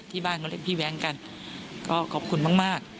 ที่บ้านเขาเรียกพี่แว้งกันก็ขอบคุณมาก